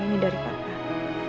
oh my walaikum sehari